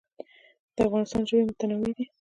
د افغانستان ژوي متنوع دي